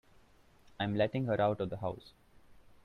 I'm letting her out of the house.